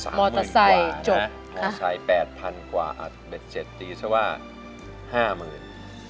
๓๐๐๐๐กว่านะถ้าใช้๘๐๐๐กว่าเด็ด๗ตีถ้าว่า๕๐๐๐๐บาท